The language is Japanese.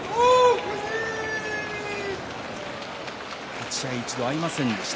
立ち合い一度合いませんでした。